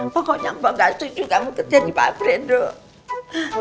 pokoknya mbak gak setuju kamu kerja di pabrik dong